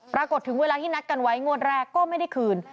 ถึงเวลาที่นัดกันไว้งวดแรกก็ไม่ได้คืน